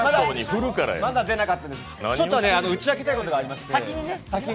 まだ出なかったです、ちょっと打ち明けたいことがありまして。